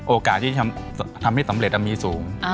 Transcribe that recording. โอกาสที่ทำให้สำเร็จมีสูง